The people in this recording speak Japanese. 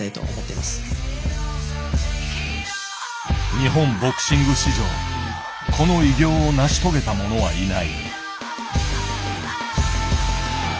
日本ボクシング史上この偉業を成し遂げた者はいない。